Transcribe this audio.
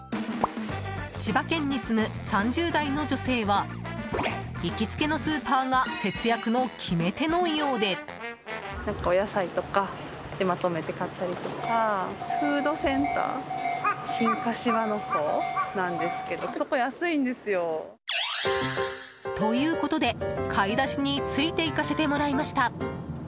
千葉県に住む３０代の女性は行きつけのスーパーが節約の決め手のようで。ということで、買い出しについていかせてもらいました。